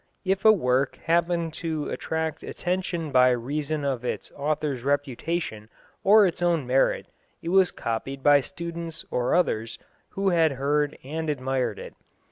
If a work happened to attract attention by reason of its author's reputation or its own merit, it was copied by students or others who had heard and admired it.